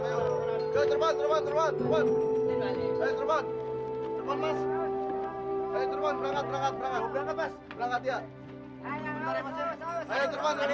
ayo turban turban turban